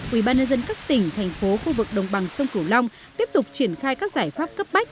ubnd các tỉnh thành phố khu vực đồng bằng sông cửu long tiếp tục triển khai các giải pháp cấp bách